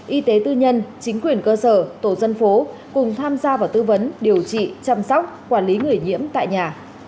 y tế tư nhân chính quyền cơ sở tổ dân phố cùng tham gia vào tư vấn điều trị chăm sóc quản lý người nhiễm tại nhà